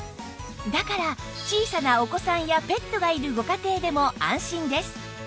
だから小さなお子さんやペットがいるご家庭でも安心です